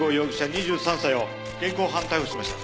２３歳を現行犯逮捕しました。